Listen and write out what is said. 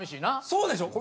そうでしょ？